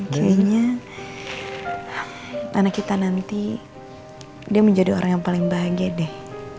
kayaknya tanah kita nanti dia menjadi orang yang paling bahagia deh